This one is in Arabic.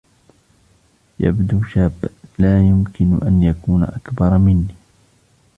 يبدو شابًا. لا يمكن أن يكون أكبر مني.